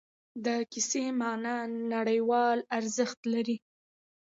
د کیسې معنا نړیوال ارزښت لري.